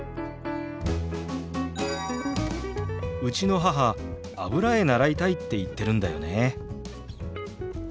うちの母油絵習いたいって言ってるんだよね。